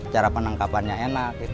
cara penangkapannya enak